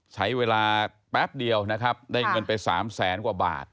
ใช้เวลาแป๊บเดียวนะครับได้เงินไป๓แสนกว่าบาท